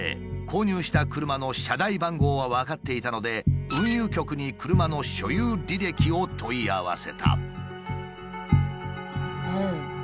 購入した車の車台番号は分かっていたので運輸局に車の所有履歴を問い合わせた。